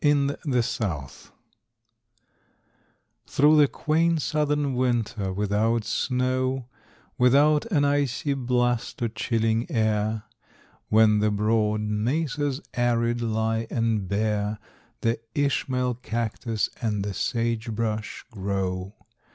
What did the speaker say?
SPRING IN THE SOUTH. Through the quaint southern winter without snow, Without an icy blast or chilling air, When the broad mesas arid lie and bare, The Ishmael cactus and the sage brush grow.